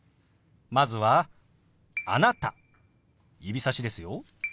まずは「あなた」指さしですよ。